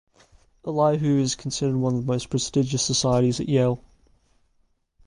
Elihu is considered one of the most prestigious societies at Yale.